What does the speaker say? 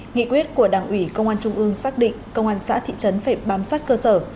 nghị quyết của đảng ủy công an trung ương xác định công an xã thị trấn phải bám sát cơ sở